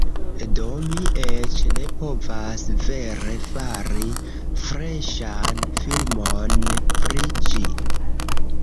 Do, mi eĉ ne povas vere fari freŝan filmon pri ĝi